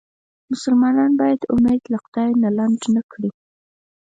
مسلمان باید امید له خدای نه لنډ نه کړي.